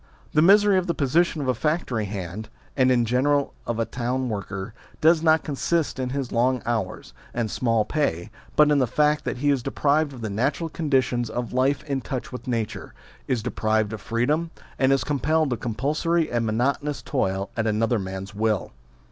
The misery of the position of a factory hand, and in general of a town worker, does not consist in his long hours and small pay, but in the fact that he is deprived of the natural conditions of life in touch with nature, is deprived of freedom, and is compelled to compulsory and monotonous toil at another man's will.